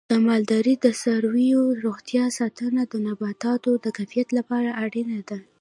د مالدارۍ د څارویو روغتیا ساتنه د لبنیاتو د کیفیت لپاره اړینه ده.